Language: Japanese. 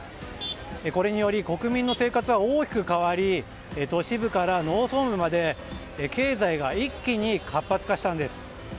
これにより、国民の生活は大きく変わり都市部から農村部まで、経済が一気に活発化したんです。